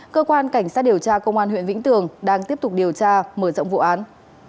cơ quan cảnh sát điều tra công an huyện vĩnh tường đang tiếp tục điều tra mở rộng vụ án